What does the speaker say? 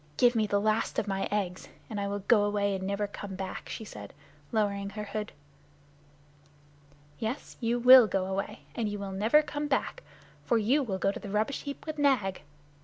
Give me the last of my eggs, and I will go away and never come back," she said, lowering her hood. "Yes, you will go away, and you will never come back. For you will go to the rubbish heap with Nag.